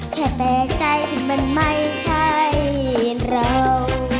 แค่แปลกใจคิดมันไม่ใช่เรา